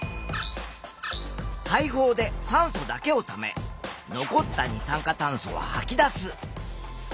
肺胞で酸素だけをため残った二酸化炭素ははき出す。